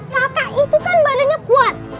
kakak itu kan badannya kuat